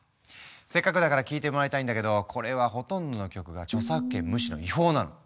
せっかくだから聴いてもらいたいんだけどこれはほとんどの曲が著作権無視の違法なの。